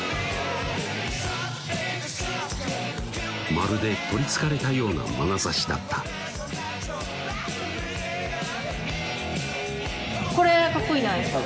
まるで取りつかれたようなまなざしだったこれかっこいいじゃないすか